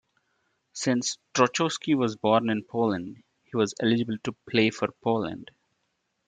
Since Trochowski was born in Poland, he was eligible to play for Poland.